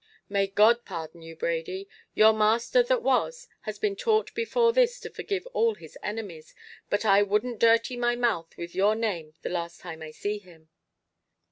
"May God pardon you, Brady. Your master that was, has been taught before this to forgive all his enemies; but I wouldn't dirty my mouth with your name the last time I see him."